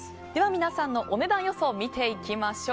皆さんのお値段予想を見ていきましょう。